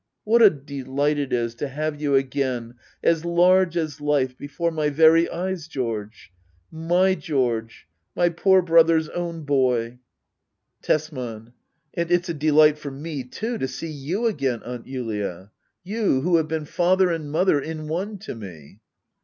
] What a delight it is to have you again, as large as life, before my very eyes, George ! My George — ^my poor brother's own boy ! Digitized by Google act i.] hbdda oablbiu 11 Tbsman. And it's a delight for me, too, to see you again^ Aunt Julia ! You, who have been father and mother in one to me.